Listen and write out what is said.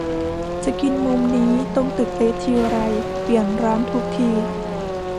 จะกินมุมนี้ตรงตึกเอททีไร เปลี่ยนร้านทุกที